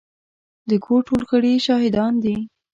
د کور ټول غړي يې شاهدان دي.